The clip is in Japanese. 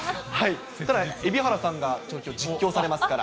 ただ、蛯原さんが状況を実況されますから。